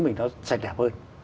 mình nó sạch đẹp hơn